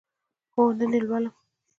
هو، نن یی لولم